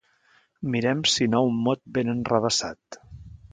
Mirem si no un mot ben enrevessat.